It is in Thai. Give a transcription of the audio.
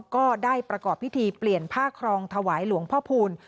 ก็ได้ประกอบพิธีเปลี่ยนผ้าครองถวายหลวงพ่อพูล